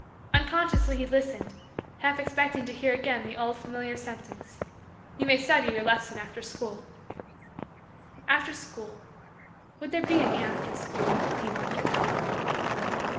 Unconsciously he listened, half expecting to hear again the old familiar sentence: "You may study your lesson after school." After school would there be any after school, he wondered.